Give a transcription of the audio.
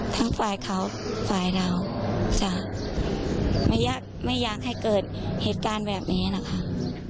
ทั้งฝ่ายเขาฝ่ายเราจ้ะไม่อยากไม่อยากให้เกิดเหตุการณ์แบบนี้นะคะ